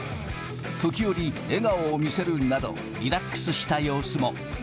時折、笑顔を見せるなど、リラックスした様子も。